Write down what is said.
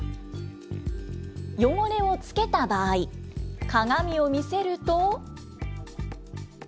汚れをつけた場合、鏡を見せると。